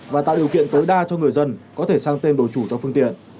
và tạo điều kiện tối đa cho người dân có thể sang tên đổi chủ cho phương tiện